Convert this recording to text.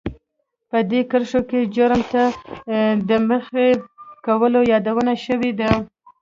په دې کرښو کې جرم ته د مخې کولو يادونه شوې ده.